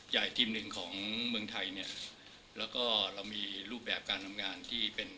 ทีมหนึ่งของเมืองไทยเนี่ยแล้วก็เรามีรูปแบบการทำงานที่เป็น